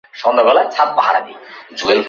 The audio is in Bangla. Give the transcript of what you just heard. সত্য কথা বলিব?